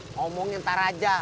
ngomongnya entar aja